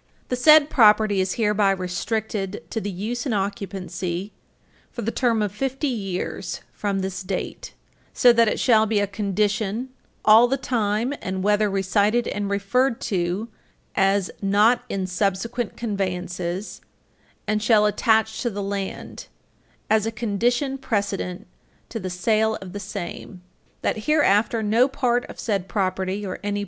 . the said property is hereby restricted to the use and occupancy for the term of Fifty (50) years from this date, so that it shall be a condition all the time and whether recited and referred to as not in subsequent conveyances and shall attach to the land as a condition precedent to the sale of the same, that hereafter no part of said property or any Page 334 U.